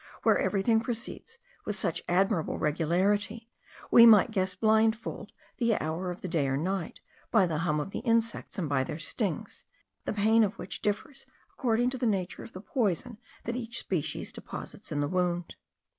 where everything proceeds with such admirable regularity, we might guess blindfold the hour of the day or night, by the hum of the insects, and by their stings, the pain of which differs according to the nature of the poison that each species deposits in the wound.